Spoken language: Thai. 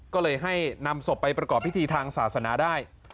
ก็เลยให้นำศพไปประกอบพิธีทางศาสนาได้